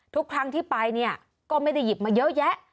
ทุกครั้งที่ไปเนี่ยก็ไม่ได้หยิบมาเยอะแยะ